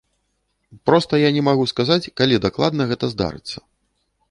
Проста я не магу сказаць, калі дакладна гэта здарыцца.